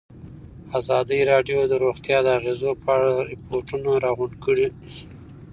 ازادي راډیو د روغتیا د اغېزو په اړه ریپوټونه راغونډ کړي.